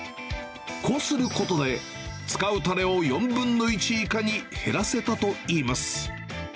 こうすることで、使うたれを４分の１以下に減らせたといいます。